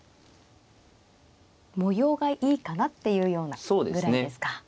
もようがいいかなっていうようなぐらいですか。